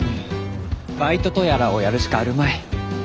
ばいととやらをやるしかあるまい。